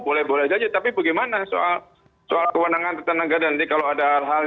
boleh boleh saja tapi bagaimana soal kewenangan tata negara nanti kalau ada hal